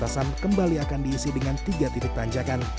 basam kembali akan diisi dengan tiga titik tanjakan